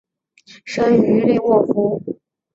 生于利沃夫。